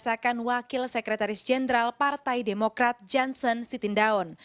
p tiga tidak dirasakan wakil sekretaris jenderal partai demokrat janssen sitindaun